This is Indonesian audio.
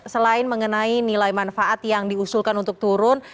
selain mengenai nilai manfaat yang diusulkan untuk turun